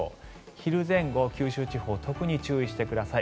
昼前後、九州地方特に注意してください。